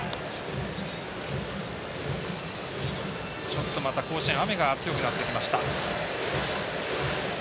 ちょっと甲子園また雨が強くなってきました。